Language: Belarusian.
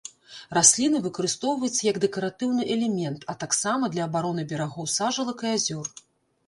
Расліна выкарыстоўваецца як дэкаратыўны элемент, а таксама для абароны берагоў сажалак і азёр.